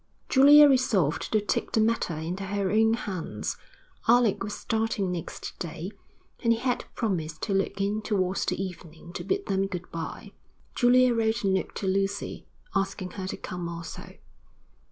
Julia resolved to take the matter into her own hands. Alec was starting next day, and he had promised to look in towards the evening to bid them good bye. Julia wrote a note to Lucy, asking her to come also.